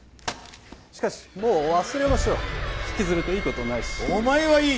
しかしもう忘れましょう引きずるといいことないしお前はいいよ